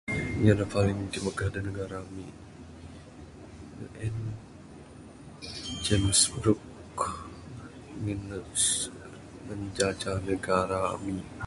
Inya da paling timagah da negara ami en James Brooke ngin ne menjaja negara ami.